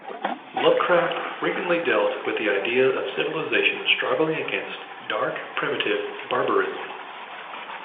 Lovecraft frequently dealt with the idea of civilization struggling against dark, primitive barbarism.